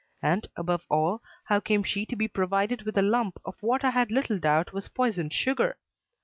And, above all, how came she to be provided with a lump of what I had little doubt was poisoned sugar?